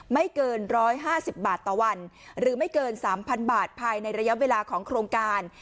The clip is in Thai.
ไม่เกิน๑๕๐บาทต่อวันหรือไม่เกิน๓๐๐บาทภายในระยะเวลาของโครงการ